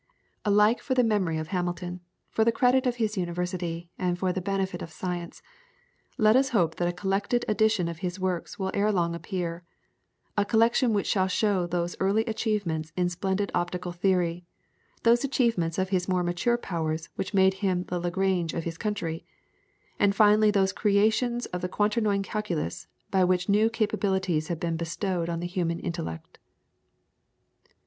Alike for the memory of Hamilton, for the credit of his University, and for the benefit of science, let us hope that a collected edition of his works will ere long appear a collection which shall show those early achievements in splendid optical theory, those achievements of his more mature powers which made him the Lagrange of his country, and finally those creations of the Quaternion Calculus by which new capabilities have been bestowed on the human intellect.